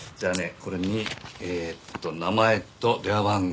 これにえーっと名前と電話番号